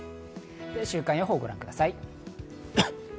週間予報をご覧ください。